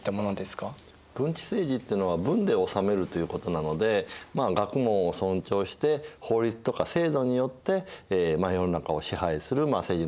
文治政治っていうのは「文で治める」ということなので学問を尊重して法律とか制度によって世の中を支配する政治のことなんですね。